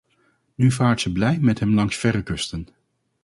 Nu vaart ze blij met hem langs verre kusten